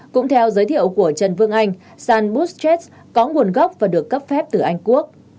cũng theo giới thiệu của trần vương anh sàn buzzchest có nguồn gốc và được cấp phép từ anh quốc